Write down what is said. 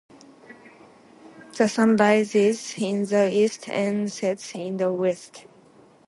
The sun rises in the east and sets in the west.